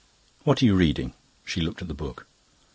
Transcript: "What are you reading?" She looked at the book.